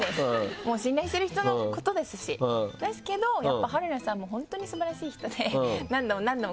もう信頼してる人のことですしですけどやっぱ春菜さんも本当に素晴らしい人で。